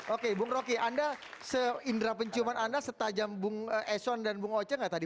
oke bung rocky anda seindera penciuman anda setajam bung eson dan bung oce nggak tadi